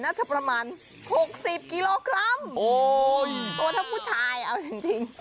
น่าจะประมาณ๖๐กิโลกรัมโอ้ยตัวทั้งผู้ชายเอาจริง